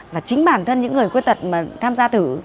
và chính bản thân những người khuyết tật mà tham gia thử